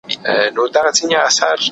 هغه ولي اوږده پاڼه ډنډ ته وړې ده؟